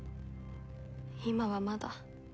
今はまだ。